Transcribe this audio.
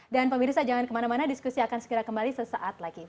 dan pemirsa jangan kemana mana diskusi akan segera kembali sesaat lagi